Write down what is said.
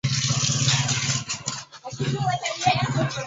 na kuwa tume hiyo itawafungulia mashtaka mashahidi hao waliodai kuhongwa naye